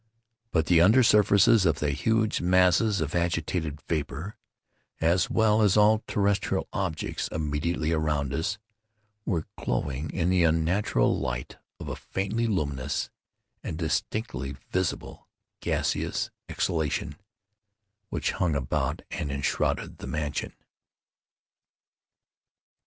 But the under surfaces of the huge masses of agitated vapor, as well as all terrestrial objects immediately around us, were glowing in the unnatural light of a faintly luminous and distinctly visible gaseous exhalation which hung about and enshrouded the mansion.